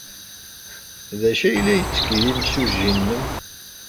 D acu ay la yetteg yimsujji-nnem?